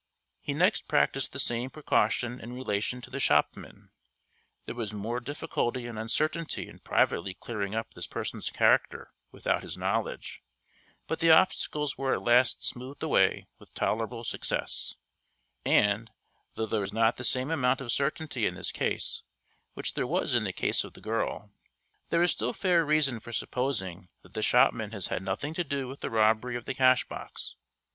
He next practiced the same precaution in relation to the shopman. There was more difficulty and uncertainty in privately clearing up this person's character without his knowledge, but the obstacles were at last smoothed away with tolerable success; and, though there is not the same amount of certainty in this case which there was in the case of the girl, there is still fair reason for supposing that the shopman has had nothing to do with the robbery of the cash box.